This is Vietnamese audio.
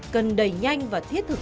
cần đẩy nhanh và thiết thực hơn